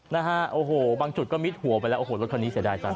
นะฮะโอ้โหบางจุดก็มิดหัวไปแล้วโอ้โหรถคันนี้เสียดายจัง